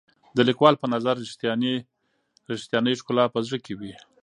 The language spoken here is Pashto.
د لیکوال په نظر رښتیانۍ ښکلا په زړه کې وي.